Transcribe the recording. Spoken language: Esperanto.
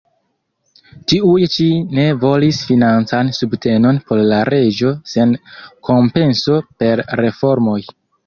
Tiuj ĉi ne volis financan subtenon por la reĝo sen kompenso per reformoj.